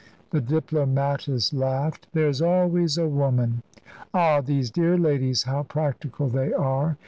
The diplomatist laughed. "There is always a woman. Ah, these dear ladies, how practical they are!